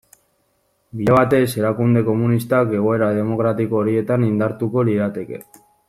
Bide batez, erakunde komunistak egoera demokratiko horietan indartuko lirateke.